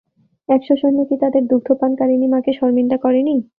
একশ সৈন্য কি তাদের দুগ্ধপানকারিণী মাকে শরমিন্দা করেনি?